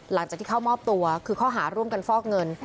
หลังจากที่เข้ามอบตัวคือข้อหาร่วมกันฟอกเงิน